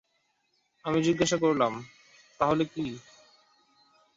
আমি জিজ্ঞেস করলাম, তাহলে কি?